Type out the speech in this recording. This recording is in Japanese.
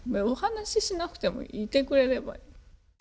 お話ししなくてもいてくれればいい。